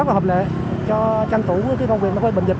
rất là hợp lệ cho tranh tụ với cái công việc nó quay bệnh dịch